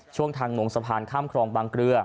ช่วงทางลงสะพานข้ามครองบางเกลือ